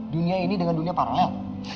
dunia ini dengan dunia paralel